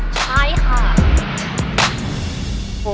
ใช้ค่ะ